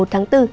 một tháng bốn